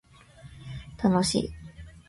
楽しい